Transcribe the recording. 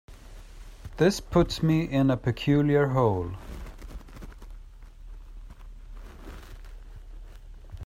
This puts me in a peculiar hole.